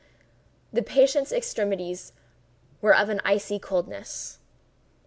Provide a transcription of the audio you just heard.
The patient's extremities were of an icy coldness.